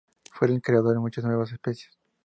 Fue el creador de muchas nuevas especies.